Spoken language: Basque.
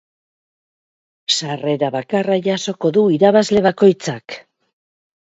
Sarrera bakarra jasoko du irabazle bakoitzak.